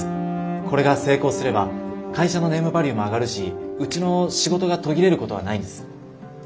これが成功すれば会社のネームバリューも上がるしうちの仕事が途切れることはないんです。